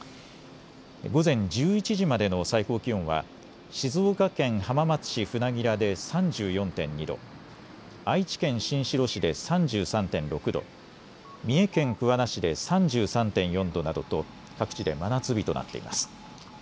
午前１１時までの最高気温は静岡県浜松市船明で３４．２度、愛知県新城市で３３．６度、三重県桑名市で３３．４度などと各地で真夏日となっています。